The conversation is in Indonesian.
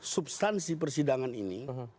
substansi persidangan ini